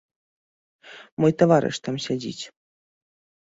Мой таварыш там сядзіць.